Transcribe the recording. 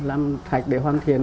làm thạch để hoàn thiện